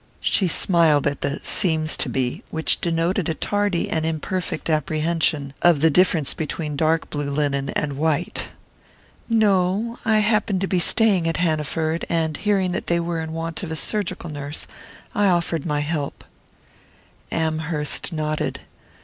She smiled at the "seems to be," which denoted a tardy and imperfect apprehension of the difference between dark blue linen and white. "No: I happened to be staying at Hanaford, and hearing that they were in want of a surgical nurse, I offered my help." Amherst nodded.